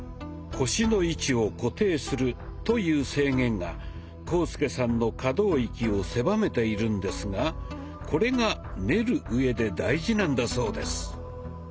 腰の位置を固定するという制限が浩介さんの可動域を狭めているんですがこれが「練る」うえで大事なんだそうです。